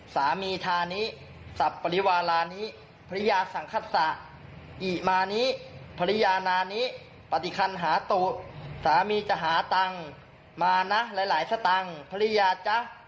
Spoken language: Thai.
สุขขังจังนะยะ